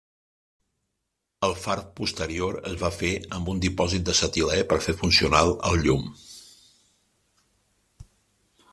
El far posterior es va fer amb un dipòsit d'acetilè per fer funcional el llum.